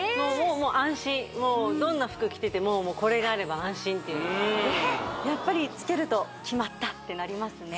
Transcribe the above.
安心どんな服着ててもこれがあれば安心っていうやっぱりつけると決まったってなりますね